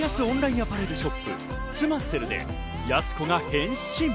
オンラインアパレルショップ、スマセルでやす子が変身！